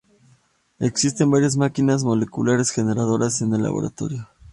Existen varias máquinas moleculares generadas en el laboratorio